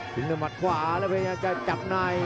ทิ้งมาหมัดขวาแล้วพยายามจะจับนาย